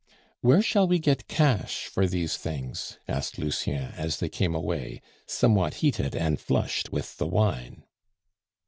"Where shall we get cash for these things?" asked Lucien as they came away, somewhat heated and flushed with the wine.